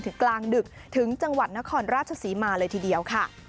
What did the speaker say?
กลางดึกถึงจังหวัดนครราชศรีมาเลยทีเดียวค่ะ